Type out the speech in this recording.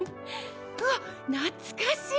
わっ懐かしい！